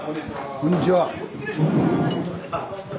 こんにちは。